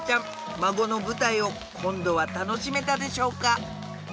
孫の舞台を今度は楽しめたでしょうか？